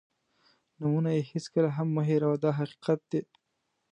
نومونه یې هېڅکله هم مه هېروه دا حقیقت دی.